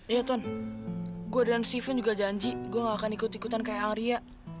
iya ton gue dan steven juga janji gue nggak akan ikut ikutan kayak ang ria